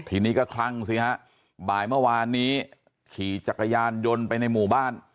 ทีนี้ก็คลั่งสิฮะบ่ายเมื่อวานนี้ขี่จักรยานยนต์ไปในหมู่บ้าน